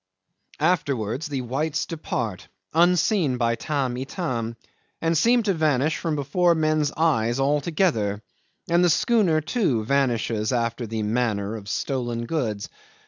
'Afterwards the whites depart unseen by Tamb' Itam, and seem to vanish from before men's eyes altogether; and the schooner, too, vanishes after the manner of stolen goods.